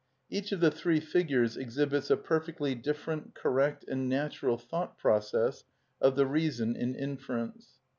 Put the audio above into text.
Each of the three figures exhibits a perfectly different, correct, and natural thought process of the reason in inference.